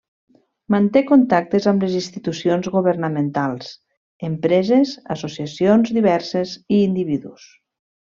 Manté contactes amb les institucions governamentals, empreses, associacions diverses i individus.